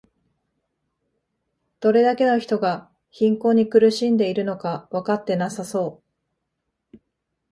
どれだけの人が貧困に苦しんでいるのかわかってなさそう